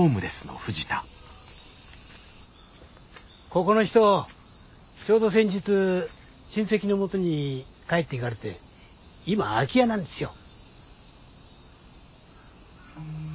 ここの人ちょうど先日親戚のもとに帰っていかれて今空き家なんですよ。